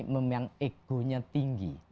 memang egonya tinggi